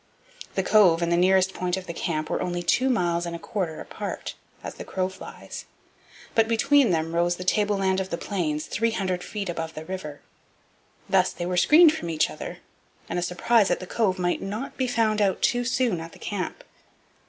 The Cove and the nearest point of the camp were only two miles and a quarter apart, as the crow flies. But between them rose the tableland of the Plains, 300 feet above the river. Thus they were screened from each other, and a surprise at the Cove might not be found out too soon at the camp.